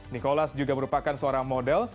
nikolas juga merupakan seorang model